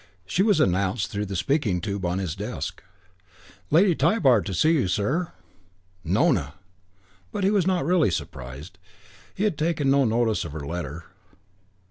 She was announced through the speaking tube on his desk: "Lady Tybar to see you, sir." Nona! But he was not really surprised. He had taken no notice of her letter.